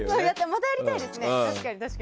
またやりたいですね。